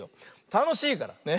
たのしいから。ね。